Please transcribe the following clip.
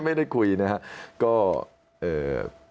ไม่ได้คุยนะครับ